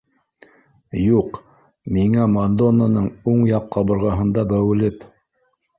Юҡ, миңә мадоннаның уң яҡ ҡабырғаһында бәүелеп